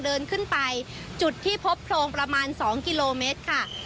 เดินขึ้นไปจุดที่พบโพรงประมาณ๒กิโลเมตรค่ะ